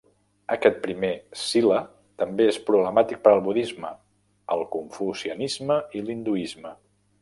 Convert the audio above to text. Aquest primer 'sila' també és problemàtic per al budisme, el confucianisme i l'hinduisme.